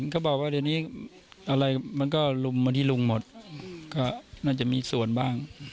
เขาบอกว่าเดี๋ยวนี้อะไรมันก็ลุมมาที่ลุงหมดก็น่าจะมีส่วนบ้าง